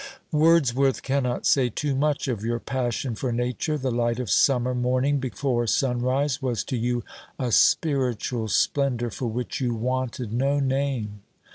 Wordsworth cannot say too much of your passion for nature. The light of summer morning before sunrise was to you a spiritual splendour for which you wanted no name.